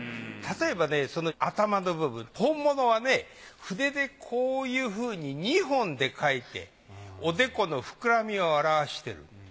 例えばその頭の部分本物はね筆でこういうふうに２本で描いておでこの膨らみを表してる。